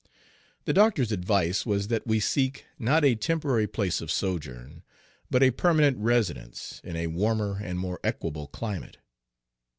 The doctor's advice was that we seek, not a temporary place of sojourn, but a permanent residence, in a warmer and more equable climate.